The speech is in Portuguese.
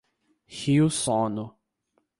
Rio Sono